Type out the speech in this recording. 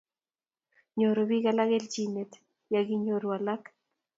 nyoru biik alak keljinet ya kinyorio alak